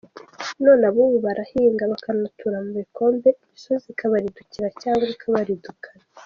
None ab’ubu barahinga bakanatura mu bikombe, imisozi ikabaridukira cyangwa ikabaridukana.